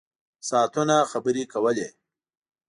ساعتونه خبرې کولې.